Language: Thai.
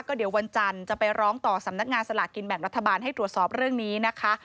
เดี๋ยววันจันทร์จะไปร้องต่อสำนักงานสลากกินแบ่งรัฐบาลให้ตรวจสอบเรื่องนี้นะคะ